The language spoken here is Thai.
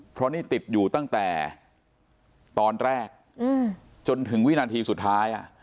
เพราะนี่ติดอยู่ตั้งแต่ตอนแรกจนถึงวินาทีสุดท้าย